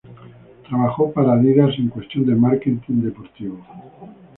Trabajó para Adidas en cuestiones de Marketing Deportivo.